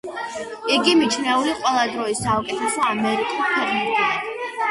იგი მიჩნეული ყველა დროის საუკეთესო ამერიკელ ფეხბურთელად.